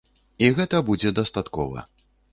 І гэта будзе дастаткова.